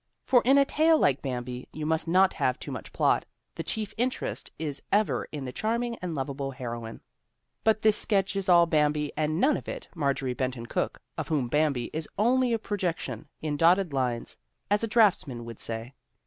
For in a tale like Bambi you must not have too much plot ; MARJORIE BENTON COOKE 241 the chief interest is ever in the charming and lovable heroine. But this sketch is all Bambi and none of it Mar jorie Benton Cooke, of whom Bambi is only a pro jection, in dotted lines, as a draughtsman would say.